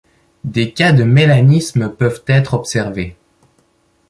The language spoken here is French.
Des cas de mélanisme peuvent être observés.